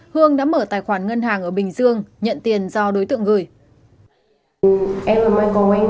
hương đã mở tài khoản ngân hàng ở bình dương nhận tiền do đối tượng gửi